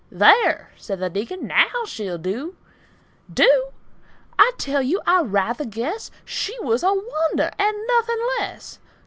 "There!" said the Deacon, "naow she'll dew!" Do! I tell you, I rather guess She was a wonder, and nothing less!